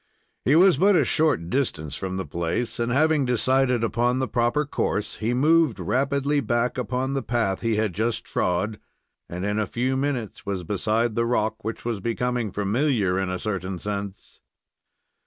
He was but a short distance from the place, and, having decided upon the proper course, he moved rapidly back upon the path he had just trod, and in a few minutes was beside the rock, which was becoming familiar in a certain sense.